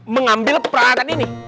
mengambil peralatan ini